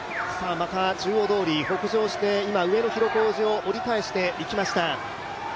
また中央通りを北上して今、上野広小路を折り返していきました。